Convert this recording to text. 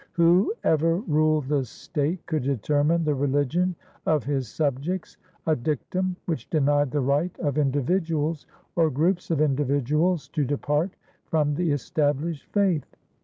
Whoever ruled the state could determine the religion of his subjects, a dictum which denied the right of individuals or groups of individuals to depart from the established faith.